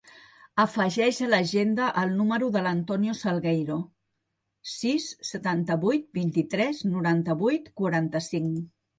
Afegeix a l'agenda el número de l'Antonio Salgueiro: sis, setanta-vuit, vint-i-tres, noranta-vuit, quaranta-cinc.